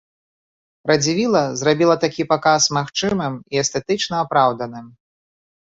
Радзівіла зрабіла такі паказ магчымым і эстэтычна апраўданым.